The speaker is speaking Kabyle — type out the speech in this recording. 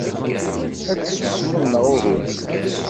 Ad tsusmeḍ neɣ uhu?